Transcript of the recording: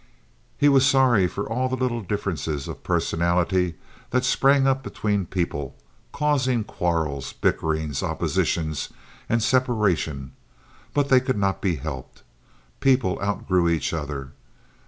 He was sorry for all the little differences of personality that sprang up between people, causing quarrels, bickerings, oppositions, and separation; but they could not be helped. People outgrew each other.